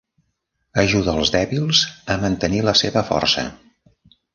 Ajuda els dèbils a mantenir la seva força.